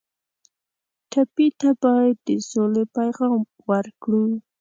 ټپي ته باید د سولې پیغام ورکړو.